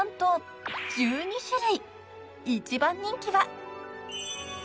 ［一番人気は］